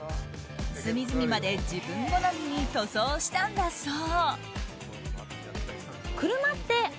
隅々まで自分好みに塗装したんだそう。